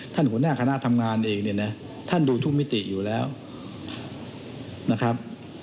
หัวหน้าคณะทำงานเองเนี่ยนะท่านดูทุกมิติอยู่แล้วนะครับ